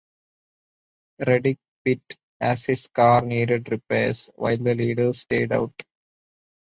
Reddick pit as his car needed repairs while the leaders stayed out.